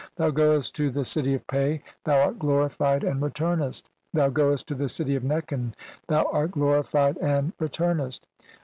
Thou goest to the "city, of Pe, thou art glorified and returnest ; thou "goest to the city of Nekhen, thou art glorified and CXXVIII INTRODUCTION. "returnest.